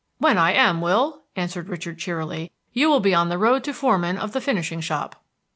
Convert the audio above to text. "When I am, Will," answered Richard cheerily, "you will be on the road to foreman of the finishing shop."